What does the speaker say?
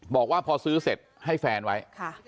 บอกว่าพอซื้อเสร็จให้แฟนไว้